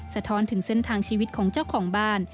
สะท้อนถึงเส้นทางชีวิตของเจ้าของบ้าน